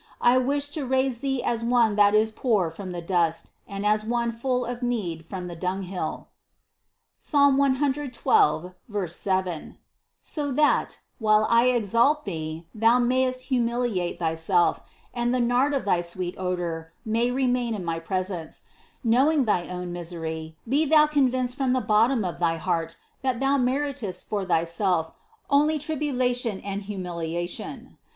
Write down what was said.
I wish to raise thee as one that is poor from the dust, and as one full of need from the dunghill (Ps. 112, 7), so that, while I exalt thee, thou mayest humiliate thyself, and the nard of thy sweet odor may remain in my presence ; knowing thy own misery, be thou convinced from the bottom of thy heart, that thou meritest for thyself only tribulation and humiliation.